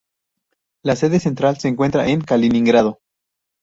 La sede central se encuentra en Kaliningrado.